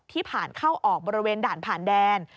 ผ่านเข้าออกบริเวณด่านผ่านแดน